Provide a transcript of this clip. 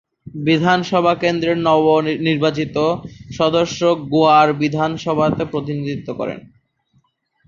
বিধানসভা কেন্দ্রের নির্বাচিত সদস্য গোয়ার বিধানসভাতে প্রতিনিধিত্ব করে।